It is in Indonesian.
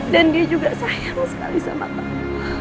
dan dia juga sayang sekali sama kamu